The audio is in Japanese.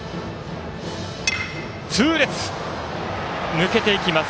抜けていきます。